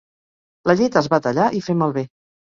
La llet es va tallar i fer malbé.